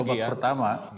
di babak pertama